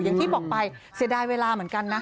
อย่างที่บอกไปเสียดายเวลาเหมือนกันนะ